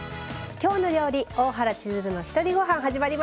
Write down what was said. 「きょうの料理」「大原千鶴のひとりごはん」始まりました。